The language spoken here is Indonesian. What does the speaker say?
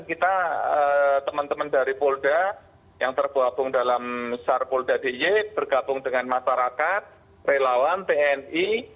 kita teman teman dari polda yang tergabung dalam sarpolda dy bergabung dengan masyarakat relawan tni